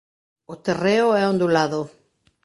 O terreo é ondulado.